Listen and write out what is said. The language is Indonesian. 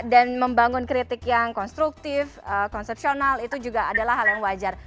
dan membangun kritik yang konstruktif konstruksional itu juga adalah hal yang wajar